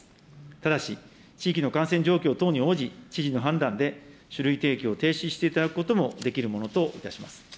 ただし、地域の感染状況等に応じ、知事の判断で酒類提供を停止していただくこともできるものといたします。